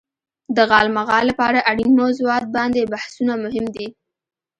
د غالمغال لپاره اړين موضوعات باندې بحثونه مهم دي.